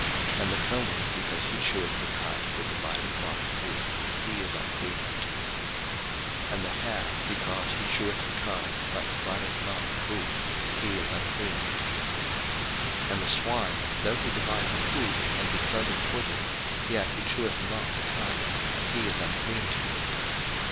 03:011:005 And the coney, because he cheweth the cud, but divideth not the hoof; he is unclean unto you. 03:011:006 And the hare, because he cheweth the cud, but divideth not the hoof; he is unclean unto you. 03:011:007 And the swine, though he divide the hoof, and be clovenfooted, yet he cheweth not the cud; he is unclean to you.